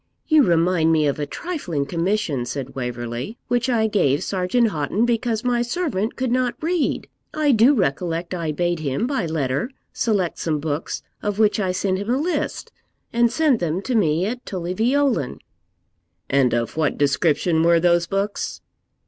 'You remind me of a trifling commission,' said Waverley, 'which I gave Sergeant Houghton, because my servant could not read. I do recollect I bade him, by letter, select some books, of which I sent him a list, and send them to me at Tully Veolan.' 'And of what description were those books?'